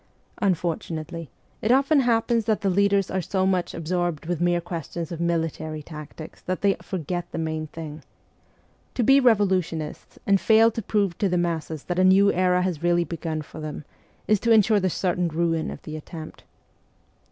Unfor tunately, it often happens that the leaders are so much absorbed with mere questions of military tactics that they forget the main thing. To be revolutionists, and SIBEKIA 209 fail to prove to the masses that anew era has really begun for them, is to ensure the certain ruin of the attempt.